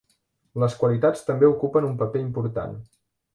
Les qualitats també ocupen un paper important.